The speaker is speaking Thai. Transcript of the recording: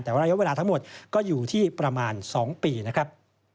แต่ว่าระยะเวลาทั้งหมดก็อยู่ที่ประมาณ๒ปีนะครับ